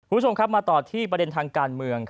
คุณผู้ชมครับมาต่อที่ประเด็นทางการเมือง